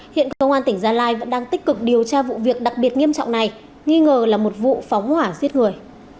hiện công an tỉnh gia lai vẫn đang tích cực điều tra vụ việc đặc biệt nghiêm trọng này nghi ngờ là một vụ phóng hỏa giết người